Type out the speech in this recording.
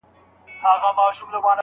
په خپلو افکارو کي به نوښت راولئ.